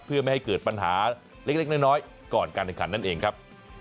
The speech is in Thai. เพื่อไม่ให้เกิดปัญหาเล็กน้อยก่อนการแข่งขันนั่นเองครับ